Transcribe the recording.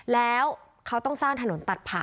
แล้วเขาต้องสร้างถนนตัดผ่า